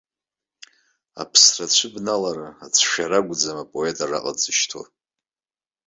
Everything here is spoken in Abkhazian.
Аԥсра ацәыбналара, ацәшәара акәӡам апоет араҟа дзышьҭоу.